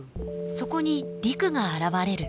そこに陸が現れる。